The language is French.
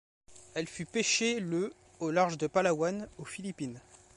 Elle fut pêchée le au large de Palawan, aux Philippines.